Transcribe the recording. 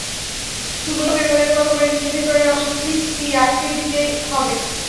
চুলগুলোকে রোলের মতো করে নিয়ে ভেতরের অংশে ক্লিপ দিয়ে আটকে নিতে হবে।